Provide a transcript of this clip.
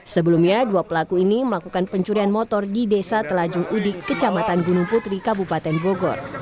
sebelumnya dua pelaku ini melakukan pencurian motor di desa telajung udik kecamatan gunung putri kabupaten bogor